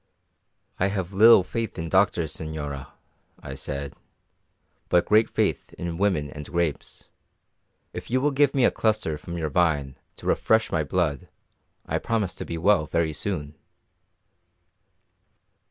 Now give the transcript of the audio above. "I have little faith in doctors, señora," I said, "but great faith in women and grapes. If you will give me a cluster from your vine to refresh my blood I promise to be well very soon."